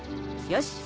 よし。